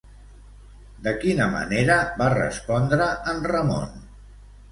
De quina manera va respondre en Ramón?